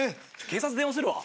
警察電話するわ。